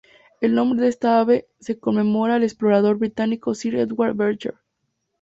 El nombre de esta ave se conmemora al explorador británico Sir Edward Belcher.